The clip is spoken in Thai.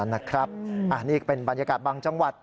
นี่เป็นบรรยากาศบางจังหวัด